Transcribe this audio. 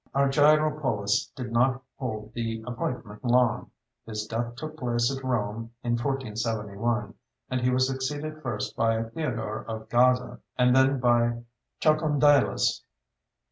Argyropoulos did not hold the appointment long. His death took place at Rome in 1471, and he was succeeded first by Theodore of Gaza, and then by Chalcondylas.